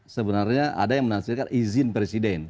sebenarnya ada yang menafsirkan izin presiden